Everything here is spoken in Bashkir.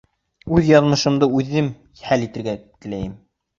Үҙ яҙмышымды үҙем хәл итергә теләйем.